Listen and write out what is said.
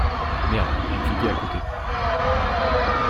Merde j'ai cliqué à côté.